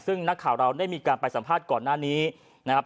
ซึ่งนักข่าวเราได้มีการไปสัมภาษณ์ก่อนหน้านี้นะครับ